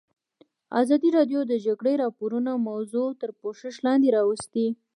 ازادي راډیو د د جګړې راپورونه موضوع تر پوښښ لاندې راوستې.